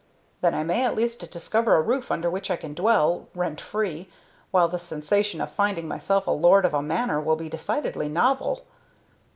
"Then I may at least discover a roof under which I can dwell, rent free, while the sensation of finding myself lord of a manor will be decidedly novel."